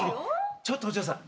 ちょっとお嬢さん。